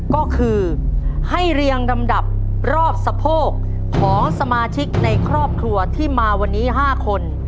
ก็คือให้เรียงลำดับรอบสะโพกของสมาชิกในครอบครัวที่มาวันนี้๕คน